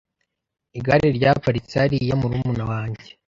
Igare ryaparitse hariya murumuna wanjye.